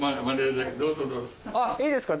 いいですか？